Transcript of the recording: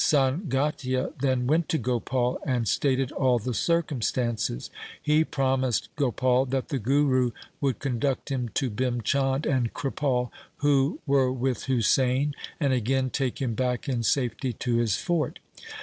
Sangatia then went to Gopal and stated all the circumstances. He promised Gopal that the Guru would conduct him to Bhim Chand and Kripal who were with Husain, and again take him back in safety to his fort.